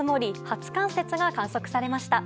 初冠雪が観測されました。